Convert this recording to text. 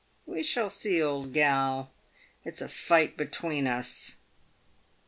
We shall see, old gal. It's a fight between us."